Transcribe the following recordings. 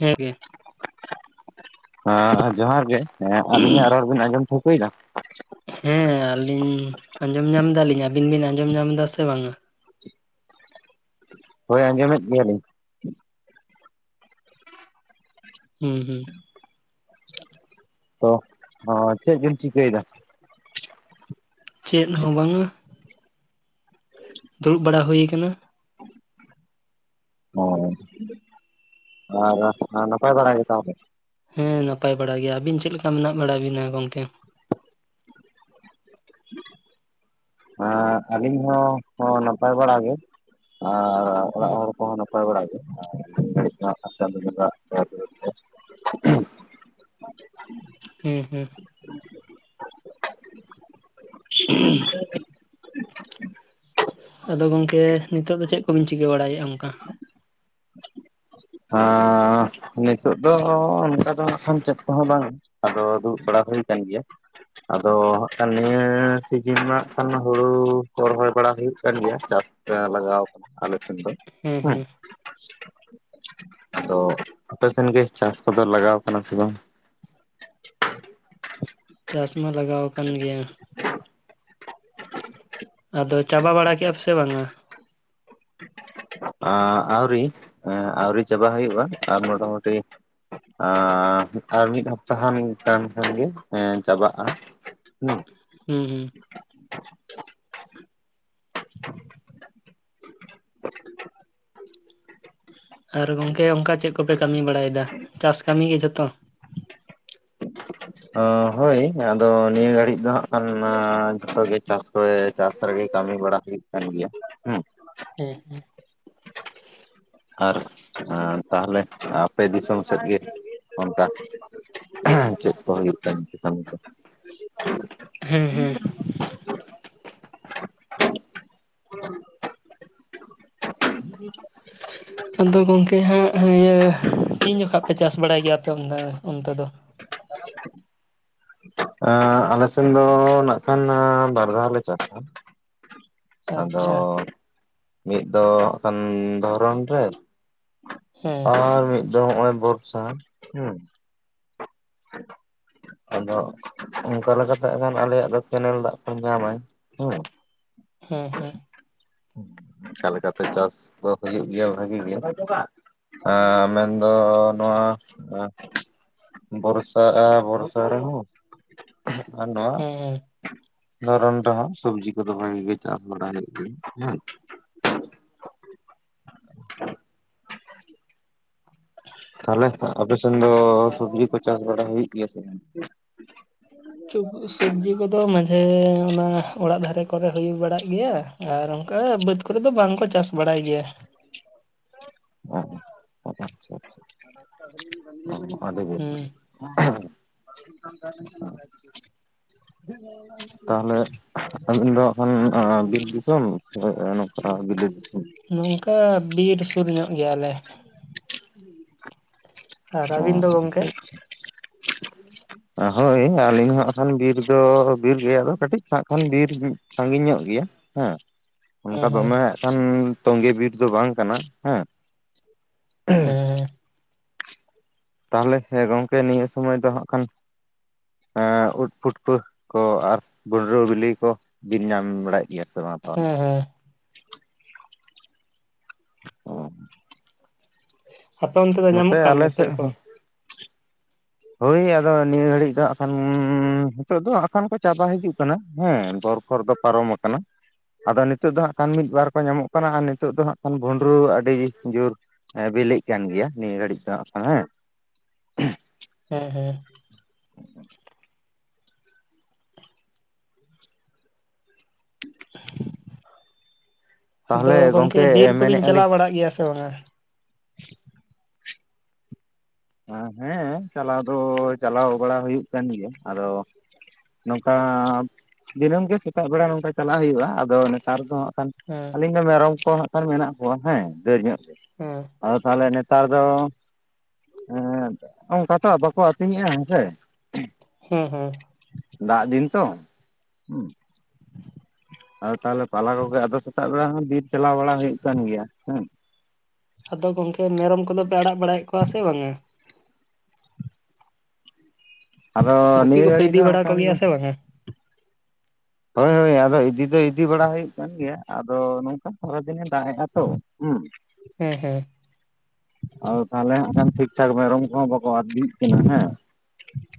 ᱦᱮᱸ ᱜᱮ ᱟ ᱡᱚᱦᱟᱨ ᱜᱮ ᱦᱮᱸ, ᱟᱹᱞᱤᱧᱟᱜ ᱨᱚᱲ ᱵᱤᱱ ᱟᱸᱡᱚᱢ ᱴᱷᱟᱹᱣᱠᱟᱹᱭᱫᱟ? ᱦᱮᱸ ᱟᱹᱞᱤᱧ ᱟᱸᱡᱚᱢ ᱧᱟᱢᱫᱟᱞᱤᱧ, ᱟᱵᱤᱱ ᱵᱤᱱ ᱟᱸᱡᱚᱢ ᱧᱟᱢ ᱮᱫᱟ ᱥᱮ ᱵᱟᱝ ᱟ? ᱦᱳᱭ ᱟᱸᱡᱚᱢᱮᱫ ᱜᱮᱭᱟᱞᱤᱧ᱾ ᱦᱩᱸ ᱦᱩᱸ᱾ ᱛᱚ ᱚ ᱪᱮᱫ ᱵᱤᱱ ᱪᱤᱠᱟᱹᱭᱮᱫᱟ? ᱪᱮᱫ ᱦᱚᱸ ᱵᱟᱝ ᱟ᱾ ᱫᱩᱲᱩᱵ ᱵᱟᱲᱟ ᱦᱩᱭ ᱟᱠᱟᱱᱟ᱾ ᱚ ᱟᱨ ᱟ ᱱᱟᱯᱟᱭ ᱵᱟᱲᱟ ᱜᱮᱛᱚ ᱟᱯᱮ? ᱦᱮᱸ ᱱᱟᱯᱟᱭ ᱵᱟᱲᱟ ᱜᱮᱭᱟ, ᱟᱹᱵᱤᱱ ᱪᱮᱫ ᱞᱮᱠᱟ ᱢᱮᱱᱟᱜ ᱵᱟᱲᱟ ᱵᱤᱱᱟ ᱜᱚᱢᱠᱮ? [unintelligible] ᱟᱻ ᱟᱹᱞᱤᱧ ᱦᱚᱸ ᱦᱚᱸ ᱱᱟᱯᱟᱭ ᱵᱟᱲᱟ ᱜᱮ ᱟᱨ ᱚᱲᱟᱜ ᱦᱩᱸ ᱦᱚᱲ ᱠᱚᱦᱚᱸ ᱱᱟᱯᱟᱭ ᱵᱟᱲᱟ ᱜᱮ ᱟᱨ [unintelligible] [unintelligible] ᱦᱩᱸ, ᱦᱩᱸ [unintelligible] ᱟᱫᱚ ᱜᱚᱢᱠᱮ ᱱᱤᱛᱚᱜ ᱫᱚ ᱪᱮᱫ ᱠᱚᱵᱤᱱ ᱪᱤᱠᱟᱹ ᱵᱟᱲᱟᱭᱮᱫᱼᱟ ᱚᱱᱠᱟ? ᱱᱤᱛᱚᱜ ᱫᱚ ᱚᱱᱠᱟ ᱫᱚ ᱦᱟᱸᱜ ᱠᱷᱟᱱ ᱪᱮᱫ ᱠᱚᱦᱚᱸ ᱵᱟᱝ᱾ ᱟᱫᱚ ᱫᱩᱲᱩᱵ ᱵᱟᱲᱟ ᱦᱩᱭ ᱠᱟᱱ ᱜᱮᱭᱟ᱾ ᱟᱫᱚ ᱦᱟᱸᱜ ᱠᱷᱟᱱ ᱱᱤᱭᱟᱹ ᱥᱤᱡᱤᱱ ᱢᱟ ᱠᱷᱟᱱ ᱦᱩᱲᱩ ᱠᱚ ᱨᱚᱦᱚᱭ ᱵᱟᱲᱟ ᱦᱩᱭᱩᱜ ᱠᱟᱱ ᱜᱮᱭᱟ ᱪᱟᱥ [unintelligible] ᱟᱞᱮ ᱥᱮᱱ ᱦᱮᱸ ᱫᱚ ᱟᱫᱚ ᱟᱯᱮ ᱥᱮᱱᱜᱮ ᱪᱟᱥ ᱠᱚᱫᱚ ᱞᱟᱜᱟᱣ ᱠᱟᱱᱟ ᱥᱮ ᱵᱟᱝ ᱪᱟᱥ ᱢᱟ ᱞᱟᱜᱟᱣ ᱟᱠᱟᱱ ᱜᱮᱭᱟ᱾ ᱟᱫᱚ ᱪᱟᱵᱟ ᱵᱟᱲᱟ ᱠᱮᱫᱼᱟ ᱯᱮ ᱥᱮ ᱵᱟᱝᱟ [inaudible] ᱟᱹᱣᱨᱤ ᱟᱹᱣᱨᱤ ᱪᱟᱵᱟ ᱦᱩᱭᱩᱜᱼᱟ ᱟᱨ ᱢᱚᱴᱟ ᱢᱩᱴᱩ ᱟᱨ ᱟᱨ ᱢᱤᱫ ᱦᱟᱯᱛᱟ ᱠᱷᱟᱱ‌ᱜᱮ ᱪᱟᱵᱟᱜᱼᱟ᱾ [unintelligible] ᱦᱩᱸ ᱦᱩᱸ ᱟᱨ ᱜᱚᱝᱠᱮ ᱚᱱᱠᱟ ᱪᱮᱫ ᱠᱚᱯᱮ ᱠᱟᱹᱢᱤ ᱵᱟᱲᱟᱭᱮᱫᱟ ᱪᱟᱥ ᱠᱟᱹᱢᱤ ᱡᱷᱚᱛᱚ ᱦᱳᱭ ᱟᱫᱚ ᱱᱤᱭᱟᱹ ᱜᱷᱟᱹᱲᱤᱡ ᱫᱚ ᱦᱟᱸᱜ ᱠᱷᱟᱱ ᱡᱷᱚᱛᱚ ᱜᱮ ᱪᱟᱥ᱾ ᱡᱷᱚᱛᱚ ᱜᱮ ᱪᱟᱥ ᱨᱮᱜᱮ ᱠᱟᱹᱢᱤ ᱵᱟᱲᱟ ᱦᱩᱭᱩᱜ ᱠᱟᱱ ᱜᱮᱭᱟ ᱦᱮᱸ᱾ ᱦᱮᱸ ᱟᱨ ᱛᱟᱦᱞᱮ ᱟᱯᱮ ᱫᱤᱥᱚᱢ ᱥᱮᱫ ᱜᱮ ᱚᱱᱠᱟ ᱪᱮᱫ ᱠᱚ ᱦᱩᱭᱩᱜ ᱠᱟᱱ ᱠᱟᱹᱢᱤ ᱫᱚ [unintelligible] ᱦᱮᱸ ᱦᱮᱸ ᱟᱫᱚ ᱜᱚᱢᱠᱮ ᱦᱟᱸᱜ ᱤᱭᱟᱹ ᱛᱤᱱ ᱡᱚᱠᱷᱟ ᱯᱮ ᱪᱟᱥ ᱵᱟᱲᱟᱭ ᱜᱮᱭᱟ ᱟᱯᱮ ᱚᱱᱛᱮ ᱫᱚ᱾ [unintelligible] ᱟᱞᱮᱥᱮᱱ ᱫᱚ ᱱᱟᱜ ᱠᱷᱟᱱ ᱵᱟᱨ ᱫᱷᱟᱣᱞᱮ ᱪᱟᱥᱟ᱾ ᱟᱫᱚ ᱟᱪᱪᱷᱟ ᱢᱤᱫ ᱫᱚ ᱦᱟᱸᱜ ᱠᱷᱟᱱ ᱫᱷᱚᱨᱚᱱ ᱨᱮ, ᱦᱮᱸ ᱟᱨ ᱢᱤᱫ ᱫᱚ ᱱᱚᱜᱼᱚᱭ ᱵᱚᱨᱥᱟ ᱦᱩᱸ᱾ ᱟᱫᱚ ᱚᱱᱠᱟ ᱞᱮᱠᱟᱛᱮ ᱠᱷᱟᱱ ᱟᱞᱮᱭᱟᱜ ᱫᱚ ᱠᱮᱱᱮᱞ ᱫᱟᱜ ᱠᱚ ᱧᱟᱢᱟᱭ ᱦᱮᱸ᱾ ᱦᱮᱸ ᱦᱮᱸ ᱚᱱᱠᱟ ᱞᱮᱠᱟᱛᱮ ᱪᱟᱥ ᱫᱚ ᱦᱩᱭᱩᱜ ᱜᱮᱭᱟ ᱵᱷᱟᱹᱜᱤ ᱜᱮ᱾ ᱟᱨ ᱢᱮᱱᱫᱚ ᱱᱚᱣᱟ ᱵᱚᱨᱥᱟ ᱵᱚᱨ ᱨᱮᱦᱚᱸ ᱟᱨ ᱱᱚᱣᱟ ᱦᱮᱸ ᱦᱮᱸ ᱫᱷᱚᱨᱚᱱ ᱨᱮᱦᱚᱸ ᱥᱚᱵᱡᱤ ᱠᱚᱫᱚ ᱵᱷᱟᱜᱤ ᱜᱮ ᱪᱟᱥ ᱵᱟᱲᱟ ᱦᱩᱭᱩᱜ ᱜᱮᱭᱟ ᱦᱮᱸ᱾ ᱛᱟᱦᱚᱞᱮ ᱟᱯᱮ ᱥᱮᱱ ᱫᱚ ᱥᱚᱵᱡᱤ ᱠᱚ ᱪᱟᱥ ᱵᱟᱲᱟ ᱦᱩᱭᱩᱜ ᱜᱮᱭᱟ ᱥᱮ ᱵᱟᱝ ᱥᱚᱵᱡᱤ ᱠᱚᱫᱚ ᱢᱟᱡᱷᱮ ᱚᱱᱟ ᱚᱲᱟᱜ ᱫᱷᱟᱨᱮ ᱠᱚᱨᱮ ᱦᱩᱭ ᱵᱟᱲᱟᱜ ᱜᱮᱭᱟ ᱟᱨ ᱚᱱᱠᱟ ᱵᱟᱹᱫᱽ ᱫᱚ ᱵᱟᱝᱠᱚ ᱪᱟᱥ ᱵᱟᱲᱟᱭ ᱜᱮᱭᱟ᱾ [unintelligible] ᱦᱩᱸ [unintelligible] [unintelligible] ᱛᱟᱦᱚᱞᱮ ᱟᱹᱵᱤᱱ ᱫᱚ ᱦᱟᱸᱜ ᱠᱷᱟᱱ ᱵᱤᱨ ᱫᱤᱥᱚᱢ ᱥᱮ ᱱᱚᱝᱠᱟ ᱵᱤᱞᱟᱹᱛ ᱫᱤᱥᱚᱢ ᱱᱚᱝᱠᱟ ᱵᱤᱨ ᱥᱩᱨ ᱧᱚᱜ ᱜᱮᱭᱟᱞᱮ᱾ ᱟᱨ ᱟᱹᱵᱤᱱ ᱚ ᱫᱚ ᱜᱚᱝᱠᱮ [inaudible] ᱦᱳᱭ ᱟᱹᱞᱤᱧ ᱦᱚᱸ ᱦᱟᱸᱜ ᱠᱷᱟᱱ ᱵᱤᱨ ᱫᱚ ᱵᱤᱨ ᱜᱮᱭᱟ ᱟᱫᱚ ᱠᱟᱹᱴᱤᱡ ᱚᱲᱟᱜ ᱠᱷᱟᱱ ᱵᱤᱨ ᱥᱟᱺᱜᱤᱧ ᱧᱚᱜ ᱜᱮᱭᱟ᱾ ᱦᱮᱸ ᱦᱮᱸ ᱚᱱᱠᱟ ᱦᱮᱸ ᱫᱚᱢᱮ ᱦᱟᱸᱜ ᱠᱷᱟᱱ ᱛᱚᱸᱜᱮ ᱵᱤᱨ ᱫᱚ ᱵᱟᱝ ᱠᱟᱱᱟ ᱦᱮᱸ᱾ ᱦᱮᱸ ᱦᱮᱸ ᱾ ᱛᱟᱦᱚᱞᱮ ᱦᱮᱸ ᱜᱚᱝᱠᱮ ᱱᱤᱭᱟᱹ ᱥᱚᱢᱚᱭ ᱫᱚ ᱦᱜ ᱠᱷᱟᱱ ᱾ ᱩᱫ ᱯᱷᱩᱴᱯᱟᱹ ᱠᱚ ᱟᱨ ᱵᱷᱩᱸᱰᱨᱟᱹ ᱵᱤᱞᱤ ᱠᱚ ᱵᱤᱱ ᱧᱟᱢ ᱵᱟᱲᱟᱭᱮᱫ ᱠᱟᱱᱟ ᱾ ᱜᱮ ᱥᱮ ᱵᱟᱝ ᱛᱟᱦᱚᱞᱮ ᱦᱮᱸ ᱦᱮᱸ ᱚ ᱾ ᱟᱯ ᱚᱱᱛᱮ ᱫᱚ ᱱᱚᱛᱮ ᱧᱟᱢᱚᱜ ᱠᱟᱱ ᱟᱞᱮ ᱜᱮᱭᱟ ᱯᱮ ᱥᱮᱫ ᱠᱚ ᱦᱚᱸ ᱾ ᱦᱳᱭ ᱟᱫᱚ ᱱᱤᱭᱟᱹ ᱜᱷᱟᱹᱲᱤᱡ ᱫᱚ ᱦᱟᱸᱜ ᱠᱷᱟᱱ ᱱᱤᱛᱚᱜ ᱫᱚᱟᱱ ᱠᱚ ᱪᱟᱵᱟ ᱦᱤᱡᱩᱜ ᱠᱟᱱᱟ ᱦᱮᱸ ᱫᱚᱨ ᱠᱷᱚᱨ ᱫᱚ ᱯᱟᱨᱚᱢ ᱟᱠᱟᱱᱟ ᱾ ᱟᱫᱚ ᱱᱤᱛᱳᱜ ᱫᱚ ᱦᱟᱸᱜ ᱠᱷᱟᱱ ᱢᱤᱫ ᱵᱟᱨ ᱠᱚ ᱧᱟᱢᱚᱜ ᱠᱟᱱᱟ ᱟᱨ ᱱᱤᱛᱳᱜ ᱫᱚ ᱦᱟᱸᱜ ᱠᱷᱟᱱ ᱵᱷᱩᱸᱰᱨᱩ ᱟᱹᱰᱤ ᱡᱳᱨ ᱦᱮᱸ ᱵᱤᱞᱤᱜ ᱠᱟᱱ ᱜᱮᱭᱟ ᱱᱤᱭᱟᱹ ᱜᱷᱟᱹᱲᱤᱡ ᱫᱚ ᱦᱟᱜ ᱠᱷᱟᱱ ᱦᱮᱸ ᱾ ᱦᱮᱸ ᱦᱮᱸ ᱾ [inaudible] [unintelligible] ᱟᱫᱚ ᱛᱟᱦᱚᱞᱮ ᱜᱚᱝᱠᱮ ᱵᱤᱨ ᱠᱚᱵᱤᱱ ᱢᱮᱱᱮᱫᱼᱟ ᱪᱟᱞᱟᱣ ᱞᱤᱧ ᱵᱟᱲᱟᱜ ᱜᱮᱭᱟ ᱥᱮ ᱵᱟᱝᱟ? ᱦᱮᱸ ᱪᱟᱞᱟᱣ ᱫᱚ ᱪᱟᱞᱟᱣ ᱵᱟᱲᱟ ᱦᱩᱭᱩᱜ ᱠᱟᱱ ᱜᱮᱭᱟ ᱟᱫᱚ ᱱᱚᱝᱠᱟ ᱫᱤᱱᱟᱹᱢ ᱜᱮ ᱥᱮᱛᱟᱜ ᱵᱮᱲᱟ ᱱᱚᱝᱠᱟ ᱪᱟᱞᱟᱜ ᱦᱩᱭᱩᱜᱼᱟ ᱟᱫᱚ ᱱᱮᱛᱟᱨ ᱫᱚ ᱦᱟᱜ ᱠᱷᱟᱱ ᱦᱮᱸ ᱟᱹᱞᱤᱧ ᱫᱚ ᱢᱮᱨᱚᱢ ᱠᱚ ᱦᱟᱜ ᱠᱷᱟᱱ ᱢᱮᱱᱟᱜ ᱠᱚᱣᱟ ᱦᱮᱸ ᱰᱟᱹᱲ ᱧᱚᱜ ᱾ ᱦᱮᱸ ᱾ ᱟᱫᱚ ᱛᱟᱦᱚᱞᱮ ᱱᱮᱛᱟᱨ ᱫᱚ ᱦᱮᱸ ᱚᱱᱠᱟ ᱛᱚ ᱵᱟᱠᱚ ᱟᱹᱛᱤᱧ ᱮᱫᱼᱟ ᱦᱮᱸᱥᱮ ᱾ ᱦᱮᱸ ᱦᱮᱸ ᱾ ᱫᱟᱜ ᱫᱤᱱ ᱛᱚ ᱦᱩᱸ ᱾ ᱟᱫᱚ ᱛᱟᱦᱞᱮ ᱯᱟᱞᱟ ᱠᱚᱜᱮ ᱟᱫᱚ ᱥᱮᱛᱟᱜ ᱵᱮᱲᱟ ᱦᱚᱸ ᱵᱤᱨ ᱪᱟᱞᱟᱣ ᱵᱟᱲᱟ ᱦᱩᱭᱩᱜ ᱠᱟᱱ ᱜᱮᱭᱟ ᱦᱮᱸ ᱾ ᱟᱫᱚ ᱜᱚᱢᱠᱮ ᱢᱮᱨᱚᱢ ᱠᱚᱫᱚ ᱯᱮ ᱟᱲᱟᱜ ᱵᱟᱲᱟᱭᱮᱫ ᱠᱚᱣᱟ ᱥᱮ ᱵᱟᱝᱟ? ᱟᱫᱚ ᱜᱩᱯᱤ ᱱᱤᱭᱟᱹ ᱠᱚᱯᱮ ᱜᱷᱟᱰᱤ ᱤᱫᱤ ᱫᱚ ᱦᱟᱜ ᱵᱟᱲᱟ ᱠᱷᱟᱱ ᱠᱚᱜᱮᱭᱟ ᱥᱮ ᱵᱟᱝᱟ ᱦᱳᱭ ᱦᱳᱭ ᱟᱫᱚ ᱤᱫᱤ ᱫᱚ ᱤᱫᱤ ᱵᱟᱲᱟ ᱦᱩᱭᱩᱜ ᱠᱟᱱ ᱜᱮᱭᱟ ᱟᱫᱚ ᱱᱚᱝᱠᱟ ᱥᱟᱨᱟ ᱫᱤᱱᱮ ᱫᱟᱜ ᱮᱫᱼᱟ ᱛᱚ ᱦᱩᱸ ᱾ ᱦᱮᱸ ᱦᱮᱸ ᱾ ᱟᱫᱚ ᱛᱟᱦᱞᱮ ᱦᱟᱜ ᱠᱷᱟᱱ ᱴᱷᱤᱠ ᱴᱷᱟᱠ ᱢᱮᱨᱚᱢ ᱠᱚᱦᱚᱸ ᱵᱟᱠᱚ ᱟᱛᱤᱭ ᱠᱟᱱᱟ ᱦᱮᱸ ᱾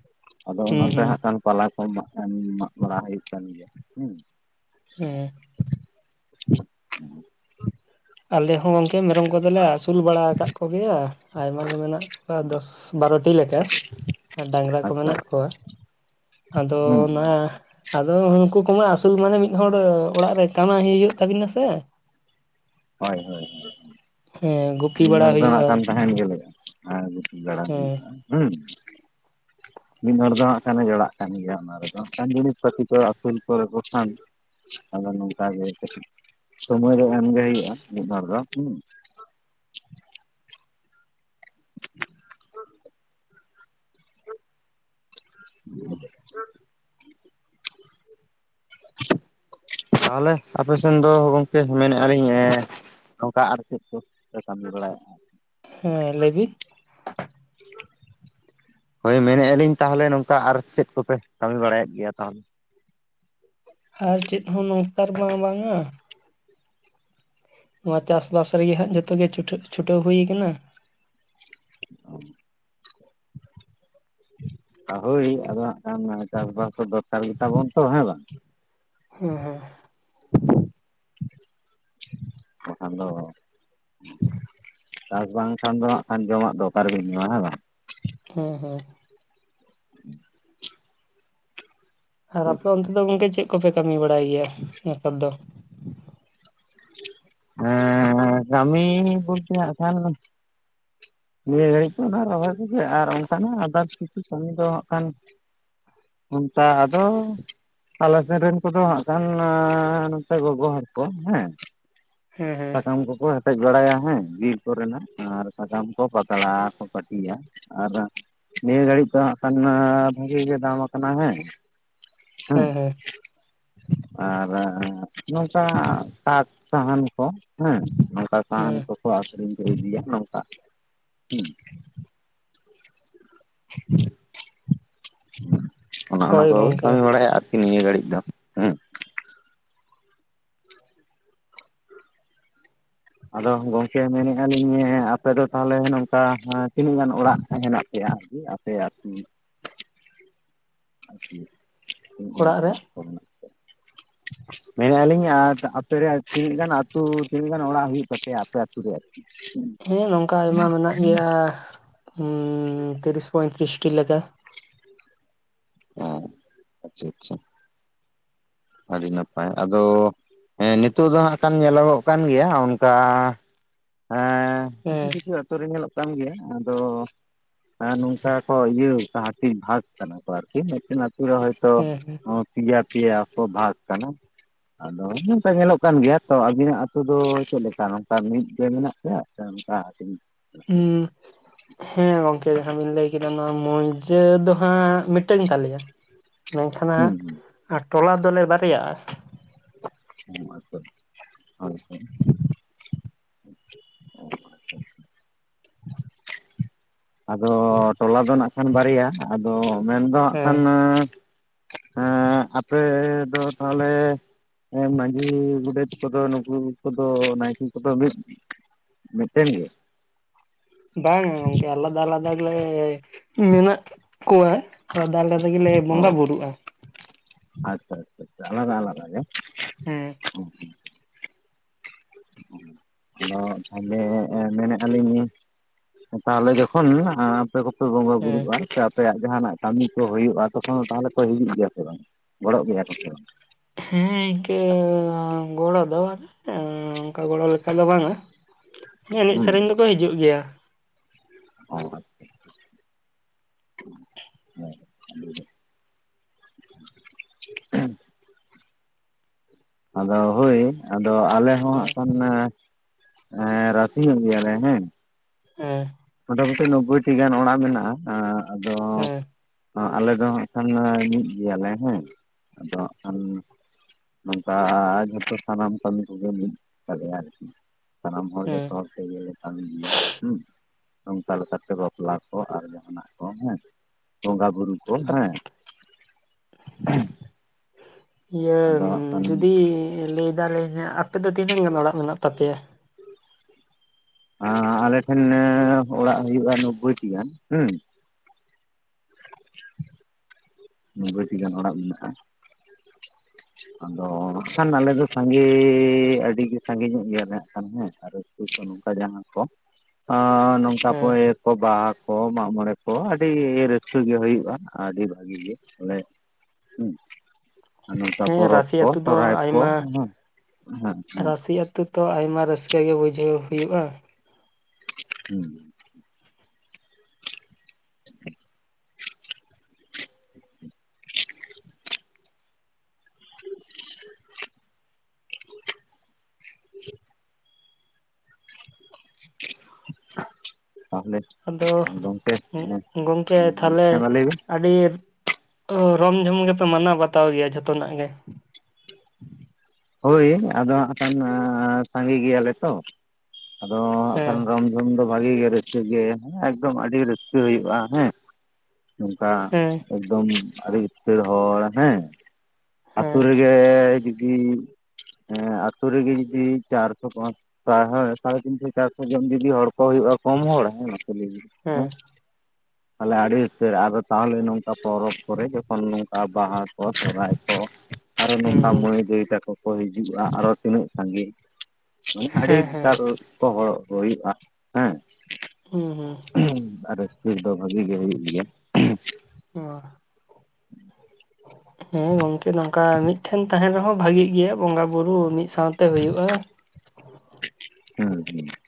ᱟᱫᱚ ᱦᱩᱸ ᱚᱱᱟᱛᱮ ᱦᱩᱸ ᱦᱟᱸᱜ ᱠᱷᱟᱱ ᱯᱟᱞᱟ ᱠᱚ ᱢᱟᱜ ᱠᱷᱟᱱ ᱢᱟᱜ ᱵᱟᱲᱟ ᱦᱩᱭᱩᱜ ᱠᱟᱱ ᱜᱮᱭᱟ ᱦᱮᱸ ᱾ ᱦᱮᱸ ᱾ [inaudible] ᱟᱞᱮ ᱦᱚᱸ ᱜᱚᱢᱠᱮ ᱢᱮᱨᱚᱢ ᱠᱚᱫᱚᱞᱮ ᱟᱹᱥᱩᱞ ᱵᱟᱲᱟ ᱟᱠᱟᱫ ᱠᱚᱜᱮᱭᱟ ᱟᱭᱢᱟ ᱜᱮ ᱢᱮᱱᱟᱜ ᱠᱚᱣᱟ ᱫᱚᱥ ᱥ ᱵᱟᱨᱚᱴᱤ ᱞᱮᱠᱟ ᱟᱨ ᱰᱟᱝᱨᱟ ᱠᱚ ᱟᱪᱪᱷᱟ ᱢᱮᱱᱟᱜ ᱠᱚᱣᱟ ᱾ ᱟᱫᱚ ᱦᱩᱸ ᱚᱱᱟ ᱟᱫᱚ ᱩᱱᱠᱩ ᱠᱚᱢᱟ ᱟᱹᱥᱩᱞ ᱢᱟᱱᱮ ᱢᱤᱫ ᱦᱚᱲ ᱚᱲᱟᱜ ᱨᱮ ᱠᱟᱢ ᱦᱩᱭᱩᱜ ᱛᱟᱵᱤᱱᱟ ᱥᱮ ᱾ ᱦᱳᱭ ᱦᱳᱭ ᱦᱳᱭ ᱦᱮᱸ ᱜᱩᱯᱤ ᱢᱤᱫ ᱵᱟᱲᱟ ᱦᱚᱲ ᱫᱚ ᱱᱟᱜ ᱦᱩᱭᱩᱜᱼᱟ ᱠᱷᱟᱱ ᱛᱟᱦᱮᱱ ᱜᱮ ᱦᱳᱭᱳᱜᱼᱟ ᱾ ᱟᱨ ᱫᱟᱲᱟᱱ ᱦᱮᱸ ᱦᱩᱭᱩᱜᱼᱟ ᱦᱩᱸ ᱾ ᱢᱤᱫ ᱦᱚᱲ ᱫᱚ ᱦᱟᱸᱜ ᱠᱷᱟᱱᱮ ᱡᱚᱲᱟᱜ ᱠᱟᱱ ᱜᱮᱭᱟ ᱚᱱᱟ ᱨᱮᱫᱚ ᱦᱟᱜ ᱠᱷᱟᱱ ᱡᱤᱱᱤᱥ ᱯᱟᱹᱛᱤ ᱠᱚ ᱟᱹᱥᱩᱞ ᱠᱚᱨᱮᱠᱚ ᱠᱷᱟᱱ ᱟᱫᱚ ᱱᱚᱝᱠᱟ ᱜᱮ ᱠᱟᱹᱴᱤᱡ ᱥᱚᱢᱚᱭ ᱫᱚ ᱮᱢᱜᱮ ᱦᱩᱭᱩᱜᱼᱟ ᱢᱤᱫᱵᱟᱨ ᱫᱚ ᱦᱩᱸ ᱾ [inaudible] ᱛᱟᱦᱚᱞᱮ ᱟᱯᱮ ᱥᱮᱱ ᱫᱚ ᱜᱚᱢᱠᱮ ᱢᱮᱱᱮᱫᱟᱞᱤᱧᱼᱼ ᱱᱚᱝᱠᱟ ᱟᱨ ᱪᱮᱫ ᱠᱚᱯᱮ ᱠᱟᱹᱢᱤ ᱵᱟᱲᱟᱭᱮᱫᱼᱟ? ᱦᱮᱸ ᱞᱟᱹᱭ ᱵᱤ ᱾ ᱦᱳᱭ ᱢᱮᱱᱮᱫ ᱟᱞᱤᱧ ᱛᱟᱦᱞᱮ ᱱᱚᱝᱠᱟ ᱟᱨ ᱪᱮᱫ ᱠᱚᱯᱮ ᱠᱟᱹᱢᱤ ᱵᱟᱲᱟᱭᱮᱫ ᱜᱮᱭᱟ ᱛᱟᱦᱞᱮ? ᱟᱨ ᱪᱮᱫ ᱦᱚᱸ ᱱᱚᱠᱛᱟᱨ ᱵᱟᱝ ᱵᱟᱝᱟ ᱾ ᱱᱚᱣᱟ ᱪᱟᱥ ᱵᱟᱥ ᱨᱮᱜᱮ ᱦᱟᱜ ᱡᱚᱛᱚᱜ ᱜᱮ ᱪᱷᱩᱴᱟᱹᱜ ᱪᱷᱩᱴᱟᱹᱣ ᱦᱩᱭ ᱠᱟᱱᱟ ᱾ ᱟ ᱦᱳᱭ ᱟᱫᱚ ᱦᱟᱸᱜ ᱠᱷᱟᱱ ᱪᱟᱥ ᱵᱟᱥ ᱠᱚ ᱫᱚᱨᱠᱟᱨ ᱜᱮ ᱛᱟᱵᱚᱱ ᱛᱚ ᱦᱮᱸ ᱵᱟᱝ? ᱦᱮᱸ ᱦᱮᱸ᱾ ᱵᱟᱝᱠᱷᱟᱱ ᱫᱚ ᱪᱟᱥ ᱵᱟᱝᱠᱷᱟᱱ ᱫᱚ ᱦᱟᱸᱜ ᱠᱷᱟᱱ ᱡᱚᱢᱟᱜ ᱫᱚ ᱚᱠᱟ ᱨᱮᱵᱤᱱ ᱧᱟᱢᱟ ᱦᱮᱸ ᱵᱟᱝ? ᱦᱮᱸ ᱦᱮᱸ᱾ [inaudible] ᱟᱨ ᱟᱯᱮ ᱚᱱᱛᱮ ᱫᱚ ᱜᱚᱝᱠᱮ ᱪᱮᱫ ᱠᱚᱯᱮ ᱠᱟᱹᱢᱤ ᱵᱟᱲᱟᱭ ᱜᱮᱭᱟ ᱱᱮᱛᱟᱨ ᱫᱚ? ᱮᱸᱻ ᱠᱟᱹᱢᱤ ᱵᱚᱞᱛᱮ ᱦᱟᱸᱜ ᱠᱷᱟᱱ ᱱᱤᱭᱟᱹ ᱜᱷᱟᱹᱲᱤᱡ ᱫᱚ ᱚᱱᱟ ᱨᱚᱦᱚᱭ ᱠᱚᱜᱮ ᱟᱨ ᱚᱱᱠᱟᱱᱟᱜ ᱟᱫᱟᱨᱥ ᱠᱤᱪᱷᱩ ᱠᱟᱹᱢᱤ ᱫᱚ ᱦᱟᱸᱜ ᱠᱷᱟᱱ ᱚᱱᱠᱟ ᱟᱫᱚ ᱟᱞᱮ ᱥᱮᱱ ᱨᱮᱱ ᱠᱚᱫᱚ ᱦᱟᱸᱜ ᱠᱷᱟᱱ ᱱᱚᱛᱮ ᱜᱚᱜᱚ ᱦᱚᱲ ᱠᱚ ᱦᱮᱸ, ᱦᱮᱸ ᱦᱮᱸ ᱥᱟᱠᱟᱢ ᱠᱚᱠᱚ ᱦᱮᱴᱮᱡ ᱵᱟᱲᱟᱭᱟ ᱦᱮᱸ, ᱵᱤᱨ ᱠᱚ ᱨᱮᱱᱟᱜ ᱟᱨ ᱥᱟᱠᱟᱢ ᱠᱚ ᱯᱟᱛᱲᱟ ᱠᱚ ᱯᱟᱹᱴᱤᱭᱟ᱾ ᱟᱨ ᱱᱤᱭᱟᱹ ᱜᱷᱟᱹᱲᱤᱡ ᱫᱚ ᱦᱟᱸᱜ ᱠᱷᱟᱱ ᱵᱷᱟᱹᱜᱤ ᱜᱮ ᱫᱟᱢ ᱟᱠᱟᱱᱟ ᱦᱮᱸ᱾ ᱦᱩᱸ, ᱦᱮᱸ ᱦᱮᱸ ᱟᱨ ᱱᱚᱝᱠᱟ ᱠᱟᱴ ᱥᱟᱦᱟᱱ ᱠᱚ ᱦᱮᱸ, ᱱᱚᱝᱠᱟ ᱥᱟᱦᱟᱱ ᱦᱮᱸ ᱠᱚ ᱠᱚ ᱟᱠᱷᱨᱤᱧ ᱠᱚ ᱤᱫᱤᱭᱟ ᱱᱚᱝᱠᱟ, ᱦᱩᱸ᱾ ᱚᱱᱟ ᱚᱱᱟ ᱦᱳᱭ ᱠᱚᱜᱮ ᱜᱚᱝᱠᱮ ᱠᱟᱹᱢᱤ ᱵᱟᱲᱟᱭᱟ ᱟᱨ ᱠᱤ ᱱᱤᱭᱟᱹ ᱜᱟᱹᱲᱤᱡ ᱫᱚ ᱦᱩᱸ᱾ ᱟᱫᱚ ᱜᱚᱝᱠᱮ ᱢᱮᱱᱮᱜ ᱟᱞᱤᱧ ᱮᱸᱻ ᱟᱯᱮ ᱫᱚ ᱛᱟᱦᱚᱞᱮ ᱱᱚᱝᱠᱟ ᱛᱤᱱᱟᱹᱜ ᱜᱟᱱ ᱚᱲᱟᱜ ᱦᱮᱱᱟᱜ ᱯᱮᱭᱟ ᱟᱨᱠᱤ ᱟ ᱯᱮᱭᱟᱜ ᱟᱛᱩ [inaudible] ᱴᱷᱤᱠ ᱜᱮᱭᱟ ᱚᱲᱟᱜ ᱛᱚ ᱨᱮ ᱦᱟᱸᱜ᱾ ᱢᱮᱱᱮᱜ ᱟᱞᱤᱧ ᱟᱨ ᱟᱯᱮ ᱨᱮ ᱟᱨ ᱛᱤᱱᱟᱹᱜ ᱜᱟᱱ ᱟᱛᱩ ᱛᱤᱱᱟᱹᱜ ᱜᱟᱱ ᱚᱲᱟᱜ ᱦᱩᱭᱩᱜ ᱛᱟᱯᱮᱭᱟ ᱟᱯᱮ ᱟᱹᱛᱩ ᱨᱮᱭᱟᱜ? ᱦᱮᱸ [unintelligible] ᱦᱮᱸ ᱱᱚᱝᱠᱟ ᱟᱭᱢᱟ ᱢᱮᱱᱟᱜ ᱜᱮᱭᱟ ᱩᱸᱻ ᱛᱤᱨᱤᱥ ᱯᱚᱸᱭᱛᱨᱤᱥᱴᱤ ᱞᱮᱠᱟ᱾ ᱚᱸ ᱟᱪᱪᱷᱟ ᱟᱪᱪᱷᱟ᱾ ᱟᱹᱰᱤ ᱱᱟᱯᱟᱭ ᱟᱫᱚ ᱮᱸ ᱱᱤᱛᱳᱜ ᱫᱚ ᱦᱟᱸᱜ ᱠᱷᱟᱱ ᱧᱮᱞᱚᱜᱚᱜ ᱠᱟᱱ ᱚᱱᱠᱟ ᱦᱮᱸ, ᱠᱤᱪᱷᱩ ᱦᱮᱸ ᱠᱤᱪᱷᱩ ᱟᱛᱩ ᱨᱮ ᱧᱮᱞᱚᱜ ᱠᱟᱱ ᱜᱤᱭᱟ᱾ ᱟᱫᱚ ᱦᱮᱸ ᱱᱚᱝᱠᱟ ᱠᱚ ᱤᱭᱟᱹ ᱚᱝᱠᱟ ᱦᱟᱴᱤᱧ ᱵᱷᱟᱜᱽ ᱠᱟᱱᱟ ᱠᱚ ᱟᱨᱠᱤ, ᱢᱤᱫᱴᱮᱱ ᱟᱛᱳ ᱨᱮ ᱦᱚᱭ ᱛᱚ ᱦᱮᱸ ᱦᱮᱸ ᱯᱤᱭᱟ ᱯᱤᱭᱟ ᱠᱚ ᱵᱷᱟᱜᱽ ᱠᱟᱱᱟ᱾ ᱟᱫᱚ ᱱᱚᱝᱠᱟ ᱧᱮᱞᱚᱜ ᱠᱟᱱ ᱜᱮᱭᱟ ᱛᱚ ᱟᱵᱤᱱᱟᱜ ᱟᱹᱛᱩ ᱫᱚ ᱪᱮᱫᱞᱮᱠᱟ ᱱᱚᱝᱠᱟ ᱢᱤᱫ ᱯᱮ ᱢᱮᱱᱟᱜ ᱯᱮᱭᱟ ᱥᱮ ᱚᱱᱠᱟ ᱦᱟᱴᱤᱧ ᱢᱮᱱᱟᱜ ᱯᱮᱭᱟ? ᱦ [unintelligible] ᱦᱮᱸ ᱜᱚᱝᱠᱮ ᱡᱟᱦᱟᱸ ᱵᱤᱱ ᱞᱟᱹᱭ ᱠᱮᱫᱟ, ᱱᱚᱣᱟ ᱢᱳᱣᱡᱟᱹ ᱫᱚ ᱦᱟᱸᱜ ᱢᱤᱫᱴᱟᱹᱝ ᱜᱮ ᱛᱟᱞᱮᱭᱟ᱾ ᱦᱩᱸ ᱢᱮᱱᱠᱷᱟᱱᱟᱜ, ᱦᱩᱸ ᱟᱨ ᱴᱚᱞᱟ ᱫᱚᱞᱮ ᱵᱟᱨᱭᱟᱜᱼᱟ᱾ ᱦᱩᱸ ᱟᱪᱪᱷᱟ, [inaudible] [inaudible] ᱟᱫᱚ ᱴᱚᱞᱟ ᱫᱚ ᱱᱟᱜ ᱠᱷᱟᱱ ᱵᱟᱨᱭᱟ, ᱟᱫᱚ ᱢᱮᱱᱫᱚ ᱦᱟᱸᱜ ᱦᱮᱸ ᱠᱷᱟᱱ ᱮᱸᱻ ᱟᱯᱮ ᱫᱚ ᱛᱟᱦᱚᱞᱮ ᱮᱸ ᱢᱟᱺᱡᱷᱤ ᱜᱚᱰᱮᱛ ᱠᱚᱫᱚ ᱱᱩᱝᱠᱩ ᱠᱚᱫᱚ ᱱᱟᱭᱠᱮ ᱠᱚᱫᱚ ᱢᱤᱫ, ᱢᱤᱫᱴᱮᱱ ᱜᱮ? ᱵᱟᱝ ᱜᱚᱝᱠᱮ ᱟᱞᱟᱫᱟ ᱟᱞᱟᱫᱟ ᱜᱮᱞᱮ, ᱢᱤᱱᱟᱜ ᱠᱩᱣᱟ, ᱟᱞᱫᱟ ᱟᱞᱫᱟ ᱛᱮᱜᱮᱞᱮ ᱵᱚᱸᱜᱟ ᱚ ᱵᱩᱨᱩᱜᱼᱟ᱾ ᱟᱪᱪᱷᱟ ᱟᱪᱪᱷᱟ [inaudible] ᱟᱞᱟᱫᱟ ᱟᱞᱟᱫᱟ ᱜᱮ᱾ ᱦᱩᱸ᱾ ᱟᱫᱚ ᱛᱟᱦᱞᱮ ᱮ ᱢᱮᱱᱮᱜ ᱟᱞᱤᱧ ᱱᱤᱧ ᱛᱟᱦᱞᱮ ᱡᱚᱠᱷᱚᱱ ᱟᱸ ᱟᱯᱮ ᱠᱚᱯᱮ ᱵᱚᱸᱜᱟ ᱦᱮᱸ ᱵᱩᱨᱩᱜᱼᱟ ᱥᱮ ᱟᱯᱮᱭᱟᱜ ᱡᱟᱦᱟᱸᱱᱟᱜ ᱠᱟᱹᱢᱤ ᱠᱚ ᱦᱩᱭᱩᱜᱼᱟ, ᱛᱚᱠᱷᱚᱱ ᱫᱚ ᱛᱟᱦᱞᱮ ᱯᱮ ᱦᱤᱡᱩᱜ ᱜᱤᱭᱟ ᱥᱮ ᱵᱟᱝ? ᱜᱚᱲᱚᱜ ᱜᱮᱭᱟ ᱠᱚ ᱥᱮ ᱵᱟᱝ? ᱦᱮᱸ ᱤᱝᱠᱟᱹᱻ ᱜᱚᱲᱚ ᱫᱚ ᱮᱸᱻ ᱚᱱᱠᱟ ᱜᱚᱲᱚ ᱞᱮᱠᱷᱟᱡ ᱫᱚ ᱵᱟᱝᱼᱟ᱾ ᱮᱱᱮᱡ ᱦᱩᱸ ᱥᱮᱨᱮᱧ ᱫᱚᱠᱚ ᱦᱤᱡᱩᱜ ᱜᱮᱭᱟ᱾ ᱚᱸ ᱟᱪᱪᱷᱟ ᱟᱫᱚ ᱦᱳᱭ ᱟᱫᱚ ᱟᱞᱮ ᱦᱚᱸ ᱦᱟᱸᱜ ᱦᱮᱸ ᱠᱷᱟᱱ ᱚᱱᱮ ᱮᱸ ᱨᱟᱥᱤ ᱧᱚᱜ ᱜᱮᱭᱟᱞᱮ ᱦᱮᱸ ᱦᱮᱸ ᱢᱚᱴᱟᱢᱩᱴᱤ ᱱᱚᱵᱽᱵᱳᱭ ᱴᱤ ᱜᱟᱱ ᱚᱲᱟᱜ ᱢᱮᱱᱟᱜᱼᱟ᱾ ᱟᱸ ᱟᱫᱚ ᱦᱮᱸ ᱚᱸ ᱟᱞᱮ ᱫᱚ ᱦᱟᱸᱜ ᱠᱷᱟᱱ ᱟᱸᱻ ᱢᱤᱫ ᱜᱮᱭᱟᱞᱮ ᱦᱮᱸ ᱟᱫᱚ ᱦᱟᱸ ᱱᱚᱝᱠᱟ ᱡᱷᱚᱛᱚ ᱥᱟᱱᱟᱢ ᱠᱟᱹᱢᱤ ᱠᱚᱜᱮ ᱢᱤᱫ ᱜᱮᱛᱟ ᱞᱮᱭᱟ ᱟᱨᱠᱤ᱾ ᱥᱟᱱᱟᱢ ᱦᱚᱲ ᱦᱮᱸ ᱡᱷᱚᱛᱚ ᱦᱚᱲ ᱛᱮᱜᱮ ᱞᱮ ᱠᱟᱹᱢᱤ ᱜᱮᱭᱟ ᱦᱩᱸ ᱱᱚᱝᱠᱟ ᱞᱮᱠᱟᱛᱮ ᱵᱟᱯᱞᱟ ᱠᱚ ᱟᱨ ᱡᱟᱦᱟᱱᱟᱜ ᱠᱚ ᱦᱮᱸ ᱵᱚᱸᱜᱟ ᱵᱩᱨᱩ, ᱠᱳ ᱦᱮᱸ ᱤᱭᱟᱹ ᱟᱫᱚ ᱦᱟᱸᱜ ᱡᱩᱫᱤ ᱞᱟᱹᱭᱫᱟ ᱞᱮ ᱦᱮᱸ ᱟᱯᱮ ᱫᱚ ᱛᱤᱱᱟᱹᱝ ᱜᱟᱱ ᱚᱲᱟᱜ ᱢᱮᱱᱟᱜ ᱛᱟᱯᱮᱭᱟ? [unintelligible] ᱟᱸᱻ ᱟᱞᱮ ᱴᱷᱮᱱ ᱮᱸᱻ ᱚᱲᱟᱜ ᱦᱩᱭᱩᱜᱼᱟ ᱱᱚᱵᱽᱵᱳᱭᱴᱤ ᱜᱟᱱ ᱦᱩᱸ, [unintelligible] ᱱᱳᱵᱽᱵᱚᱭᱴᱤ ᱜᱟᱱ ᱚᱲᱟᱜ ᱢᱮᱱᱟᱜᱼᱟ, [unintelligible] ᱟᱫᱚ ᱠᱷᱟᱱ ᱟᱞᱮ ᱫᱚ ᱥᱟᱸᱜᱮᱻ ᱟᱹᱰᱤᱜᱮ ᱥᱟᱸᱜᱮ ᱧᱚᱜ ᱜᱮᱭᱟᱞᱮ ᱦᱟᱸᱜ ᱠᱷᱟᱱ ᱦᱮᱸ, ᱟᱫᱚ ᱥᱩᱥᱥᱟ ᱱᱚᱝᱠᱟ ᱡᱟᱦᱟᱸ ᱠᱚ ᱟᱸᱻ ᱱᱚᱝ, ᱦᱮᱸ ᱛᱟᱯᱚᱭᱮ ᱠᱚ ᱵᱟᱦᱟ ᱠᱚ ᱢᱟᱜ ᱢᱚᱬᱮ ᱠᱚ ᱟᱹᱰᱤ ᱨᱟᱹᱥᱠᱟᱹ ᱜᱮ ᱦᱩᱭᱩᱜᱼᱟ, ᱟᱹᱰᱤ ᱵᱷᱟᱜᱤ ᱜᱮ, ᱟᱞᱮ ᱩᱸ, ᱟᱨ ᱱᱚᱱᱛᱟ ᱦᱮᱸ ᱯᱚᱨᱚᱵᱽ ᱨᱟᱥᱤ ᱠᱚ ᱟᱹᱛᱩ ᱫᱚ ᱥᱚᱦᱨᱟᱭ ᱠᱚ ᱟᱭᱢᱟ ᱦᱩᱸ ᱦᱮᱸ ᱦᱮᱸ, ᱛᱩ ᱛᱚ ᱟᱭᱢᱟ ᱨᱟᱹᱥᱠᱟᱹ ᱜᱮ ᱵᱩᱡᱷᱟᱹᱣ ᱦᱩᱭᱩᱜᱼᱟ, ᱦᱩᱸ [unintelligible] [unintelligible] [unintelligible] ᱛᱟᱦᱞᱮ, ᱟᱫᱚ ᱩᱸᱜ ᱜᱚᱝᱠᱮ ᱛᱷᱟᱞᱮ, ᱢᱟ ᱞᱟᱹᱭ ᱵᱤᱱ ᱟᱹᱰᱤ ᱛᱚ ᱨᱚᱢ ᱡᱷᱚᱢ ᱜᱮᱯᱮ ᱢᱟᱱᱟᱣ ᱵᱟᱛᱟᱣ ᱜᱮᱭᱟ ᱡᱷᱚᱛᱚᱱᱟᱜ ᱜᱮ, ᱦᱳᱭ ᱟᱫᱚ ᱦᱟᱸᱜ ᱠᱷᱟᱱ ᱟᱸᱻ ᱥᱟᱸᱜᱮ ᱜᱮᱭᱟᱞᱮ ᱛᱚ ᱟᱫᱚ ᱦᱟᱸᱜ ᱦᱮᱸ ᱠᱷᱟᱱ ᱨᱚᱢ, ᱫᱚᱢ ᱫᱚ ᱵᱷᱟᱜᱮ ᱜᱮ ᱨᱟᱹᱥᱠᱟᱹ ᱜᱮ ᱮᱠᱫᱚᱢ ᱟᱹᱰᱤ ᱨᱟᱹᱥᱠᱟᱹ ᱦᱩᱭᱩᱜᱼᱟ ᱦᱮᱸ᱾ ᱱᱚᱝᱠᱟ ᱦᱮᱸ ᱮᱠᱫᱚᱢ ᱟᱹᱰᱤ ᱩᱛᱟᱹᱨ ᱦᱚᱲ ᱦᱮᱸ ᱟᱛᱳ ᱦᱮᱸ ᱨᱮ, ᱜᱮᱻ ᱡᱩᱫᱤ ᱦᱮᱸ ᱟᱛᱳ ᱡᱩᱫᱤ ᱪᱟᱨᱥᱚ ᱯᱟᱸ, ᱯᱨᱟᱭᱦᱟᱨᱮ ᱥᱟᱲᱮ ᱛᱤᱱᱥᱚ ᱪᱟᱨᱥᱚ ᱡᱚᱱ ᱡᱩᱫᱤ ᱦᱚᱲ ᱠᱚ ᱦᱩᱭᱩᱜᱼᱟ ᱠᱚᱢ ᱦᱚᱲ ᱦᱮᱸ ᱢᱟᱥᱮ ᱞᱟᱹᱭ ᱵᱤᱱ? [inaudible] ᱦᱮᱸ ᱛᱟᱦᱞᱮ ᱟᱹᱰᱤ ᱩᱛᱟᱹᱨ ᱟᱨᱚ ᱛᱟᱦᱞᱮ ᱱᱚᱝᱠᱟ ᱯᱚᱨᱚᱵᱽ ᱠᱚᱨᱮ ᱡᱚᱠᱷᱚᱱ ᱱᱚᱝᱠᱟ ᱵᱟᱦᱟ ᱠᱚ ᱥᱚᱦᱨᱟᱭ ᱠᱚ, ᱟᱨᱚ ᱦᱩᱸ ᱱᱚᱝᱠᱟ ᱦᱩᱸ ᱢᱟᱹᱭ ᱫᱟᱹᱭ ᱛᱟᱠᱚ ᱠᱚ ᱦᱤᱡᱩᱜᱼᱟ, ᱟᱨᱚ ᱛᱤᱱᱟᱹᱜ ᱥᱟᱸᱜᱮ, ᱢᱟᱱᱮ ᱟᱹᱰᱤ ᱦᱮᱸ ᱦᱮᱸ ᱛᱟᱨ ᱳ ᱠᱚ ᱦᱚᱲ ᱠᱚ ᱦᱩᱭᱩᱜᱼᱟ ᱦᱮᱸ, ᱦᱩᱸ ᱦᱩᱸ ᱟᱨ ᱨᱟᱥᱠᱟ ᱫᱚ ᱵᱷᱟᱜᱤ ᱜᱮ ᱦᱩᱭᱩᱜ ᱜᱮᱭᱟ᱾ ᱚ [unintelligible] ᱦᱮᱸ ᱜᱚᱝᱠᱮ ᱱᱚᱝᱠᱟ ᱢᱤᱫ ᱴᱷᱮᱱ ᱛᱟᱦᱮᱱ ᱨᱮᱦᱚᱸ ᱵᱷᱟᱜᱤ ᱜᱮᱭᱟ ᱵᱚᱸᱜᱟ ᱵᱩᱨᱩ ᱢᱤᱫ ᱥᱟᱶᱛᱮ ᱦᱩᱭᱩᱜ-ᱟ᱾ ᱦᱮᱸ [inaudible]